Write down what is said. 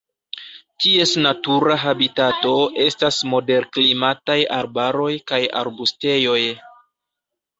Ties natura habitato estas moderklimataj arbaroj kaj arbustejoj.